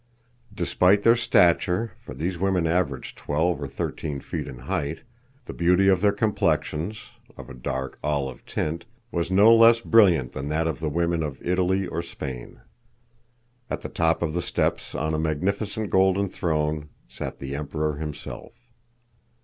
Despite their stature for these women averaged twelve or thirteen feet in height the beauty of their complexions of a dark, olive tint was no less brilliant than that of the women of Italy or Spain. At the top of the steps on a magnificent golden throne, sat the Emperor himself.